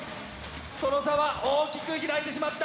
その差は大きく開いてしまった。